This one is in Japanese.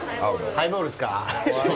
ハイボールですか？